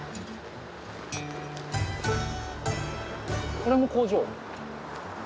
これも工場？